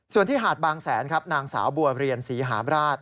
ส่วนที่หาดบางแสนครับนางสาวบัวเรียนศรีหาบราช